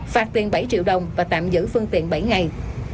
phạt tiền bảy triệu đồng và tạm giữ phương tiện bảy ngày